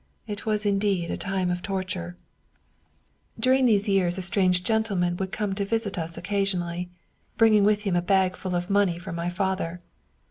It was indeed a time of torture !" During these years a strange gentleman would come to visit us occasionally, bringing with him a bag full of money for my father.